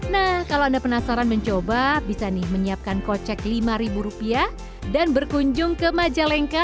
nah kalau anda penasaran mencoba bisa nih menyiapkan kocek lima ribu rupiah dan berkunjung ke majalengka